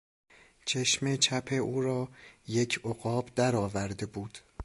چشم چپ او را یک عقاب در آورده بود.